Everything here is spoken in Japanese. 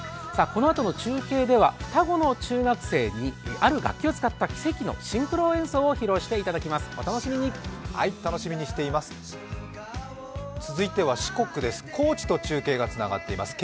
このあとの中継では双子の中学生に、ある楽器を使った奇跡のシンクロ演奏を披露していただきます、お楽しみに四国です高知と中継がつながっています。